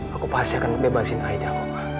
aku pasti akan bebasin aida